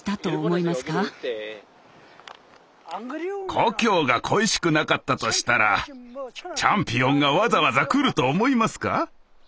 故郷が恋しくなかったとしたらチャンピオンがわざわざ来ると思いますか？